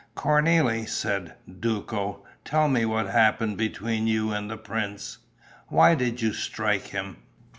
"Cornélie," said Duco, "tell me what happened between you and the prince. Why did you strike him?"